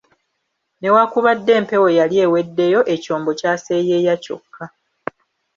Newakubadde empewo yali eweddeyo, ekyombo kyaseeyeeya kyokka